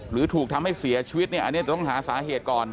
หรือถูกทำให้เสียชีวิตเนี่ยอันนี้ต้องหาสาเหตุก่อน